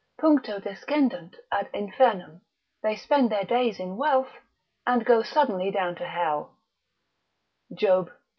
Puncto descendunt ad infernum, they spend their days in wealth, and go suddenly down to hell, Job xxi.